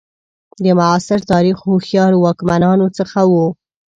د معاصر تاریخ هوښیارو واکمنانو څخه وو.